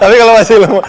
tapi kalau masih lama